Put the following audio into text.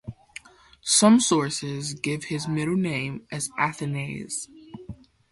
Some sources give his middle name as Athanase.